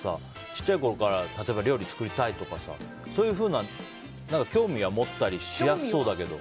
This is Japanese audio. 小さいころから、例えば料理を作りたいとかそういうふうな興味は持ったりしやすそうだけど。